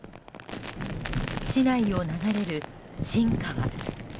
市内を流れる新川。